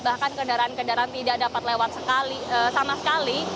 bahkan kendaraan kendaraan tidak dapat lewat sama sekali